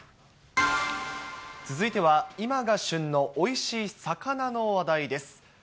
続いては今が旬のおいしい魚の話題です。